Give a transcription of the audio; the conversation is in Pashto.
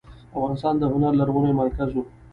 افغانستان د هنر لرغونی مرکز و.